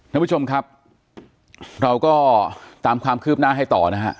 คุณผู้ชมครับเราก็ตามความคืบหน้าให้ต่อ